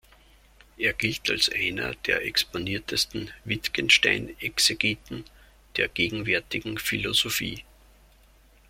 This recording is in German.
Er gilt als einer der exponiertesten Wittgenstein-Exegeten der gegenwärtigen Philosophie.